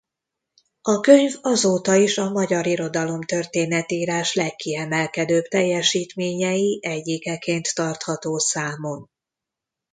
A könyv azóta is a magyar irodalomtörténet-írás legkiemelkedőbb teljesítményei egyikeként tartható számon.